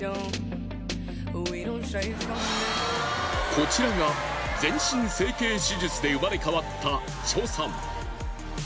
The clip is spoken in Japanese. こちらが全身整形手術で生まれ変わったチョさん。